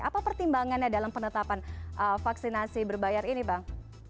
apa pertimbangannya dalam penetapan vaksinasi berbayar ini bang